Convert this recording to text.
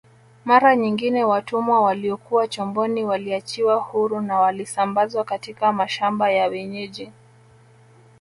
Mara nyingine watumwa waliokuwa chomboni waliachiwa huru na walisambazwa katika mashamba ya wenyeji